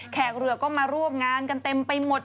แขกเรือก็มาร่วมงานกันเต็มไปหมด